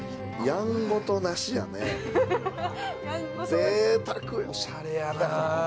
ぜいたく、おしゃれやなあ。